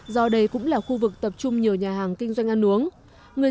do đây cũng là khu vực tập trung nhiều nhà hàng kinh doanh ăn uống